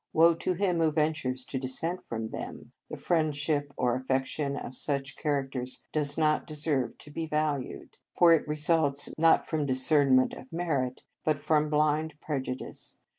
Woe to him who ventures to dissent from them. The friendship or affection of such char acters does not deserve to be valued, for it results, not from discernment of merit, but from blind prejudice.